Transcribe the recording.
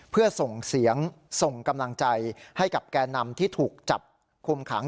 เพื่อส่งเสียงส่งกำลังใจให้กับแก่นำที่ถูกจับคุมขัง